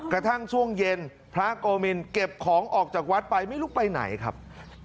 กระทั่งช่วงเย็นพระโกมินเก็บของออกจากวัดไปไม่รู้ไปไหนครับ